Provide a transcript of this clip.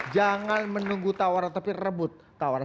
jangan menunggu tawaran tapi rebut tawaran